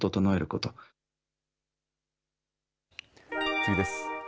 次です。